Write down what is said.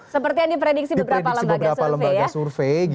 seperti yang diprediksi beberapa lembaga survei ya